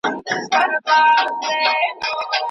ګاونډي به دي زاغان سي